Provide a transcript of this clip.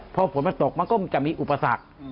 พอฝนมันตกมันก็จะมีอุปสรรค